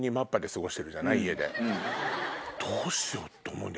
どうしようって思うんだよね。